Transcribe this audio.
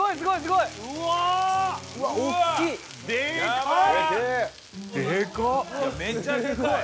いやめっちゃでかい。